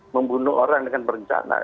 membunuh orang dengan berencana